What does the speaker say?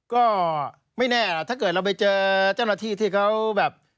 ก็ไม่แน่ล่ะถ้าเกิดเราไปเจอเจ้าหน้าที่ที่เขาแบบ